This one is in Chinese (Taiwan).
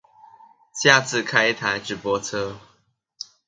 下次開一台直播車